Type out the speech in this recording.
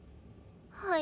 はい。